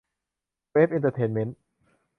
เวฟ เอ็นเตอร์เทนเมนท์